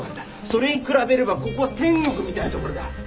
それに比べればここは天国みたいな所だ！